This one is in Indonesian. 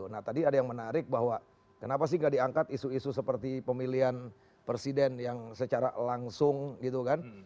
nah tadi ada yang menarik bahwa kenapa sih nggak diangkat isu isu seperti pemilihan presiden yang secara langsung gitu kan